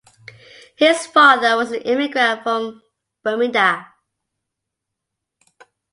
His father was an immigrant from Bermuda.